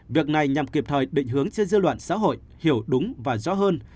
việc này nhằm kịp thời định hướng cho dư luận xã hội hiểu đúng và rõ hơn